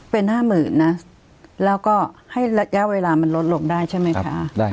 เป็นห้าหมื่นนะแล้วก็ให้ระยะเวลามันลดลงได้ใช่ไหมคะ